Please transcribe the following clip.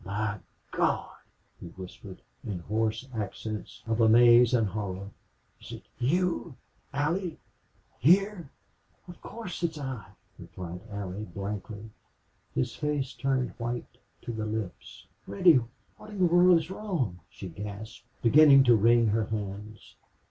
"My Gawd!" he whispered in hoarse accents of amaze and horror. "Is it you Allie here?" "Of course it's I," replied Allie, blankly. His face turned white to the lips. "Reddy, what in the world is wrong?" she gasped, beginning to wring her hands.